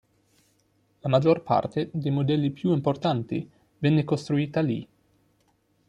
La maggior parte dei modelli più importanti venne costruita lì.